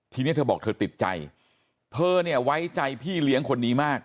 ทีนี้เธอบอกเธอติดใจเธอเนี่ยไว้ใจพี่เลี้ยงคนนี้มาก